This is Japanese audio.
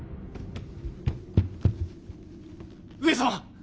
上様！